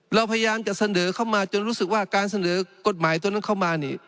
เราพยายามจะเสนอเข้ามาจนรู้สึกว่าการเสนอกฎหมายตัวนั้นเข้ามานี่